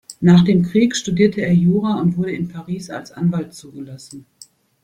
Nach dem Krieg studierte er Jura und wurde in Paris als Anwalt zugelassen.